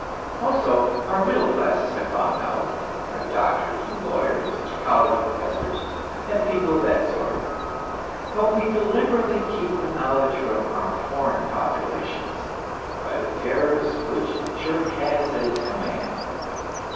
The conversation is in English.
Also, our middle classes have found out; our doctors and lawyers and college professors, and people of that sort. But we deliberately keep the knowledge from our foreign populations, by the terrors which the church has at its command.